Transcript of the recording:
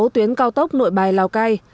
tuyến cao tốc nội bài lào cai